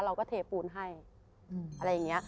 เราก็เทปูนให้อะไรอย่างนี้